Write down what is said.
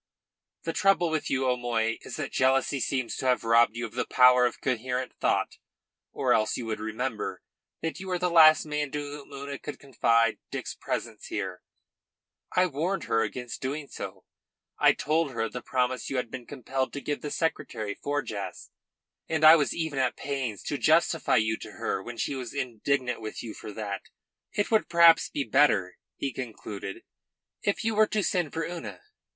"The trouble with you, O'Moy, is that jealousy seems to have robbed you of the power of coherent thought, or else you would remember that you were the last man to whom Una could confide Dick's presence here. I warned her against doing so. I told her of the promise you had been compelled to give the secretary, Forjas, and I was even at pains to justify you to her when she was indignant with you for that. It would perhaps be better," he concluded, "if you were to send for Una."